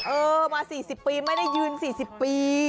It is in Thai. เออมา๔๐ปีไม่ได้ยืน๔๐ปี